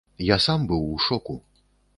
Я сам быў у шоку.